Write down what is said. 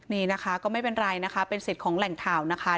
นี่นะคะก็ไม่เป็นไรนะคะเป็นสิทธิ์ของแหล่งข่าวนะคะ